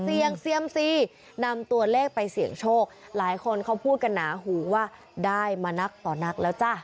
เสี่ยงเซียมซีนำตัวเลขไปเสี่ยงโชคหลายคนเขาพูดกันหนาหูว่าได้มานักต่อนักแล้วจ้ะ